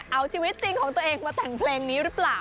เอาชีวิตจริงของตัวเองมาแต่งเพลงนี้หรือเปล่า